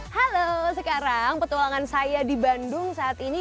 halo sekarang petualangan saya di bandung saat ini